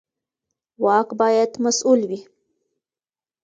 واک باید مسوول وي